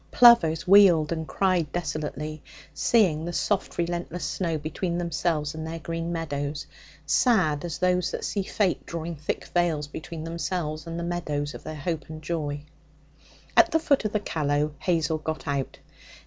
Plovers wheeled and cried desolately, seeing the soft relentless snow between themselves and their green meadows, sad as those that see fate drawing thick veils between themselves and the meadows of their hope and joy. At the foot of the Callow Hazel got out.